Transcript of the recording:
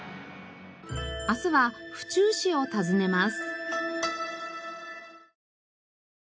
明日は府中市を訪ねます。